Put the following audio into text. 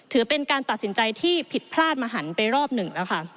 ถือเป็นการตัดสินใจที่ผิดพลาดมหันไปรอบหนึ่งแล้วค่ะ